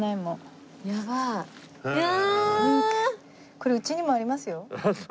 これうちにもありますよ。